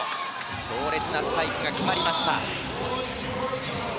強烈なスパイクが決まりました。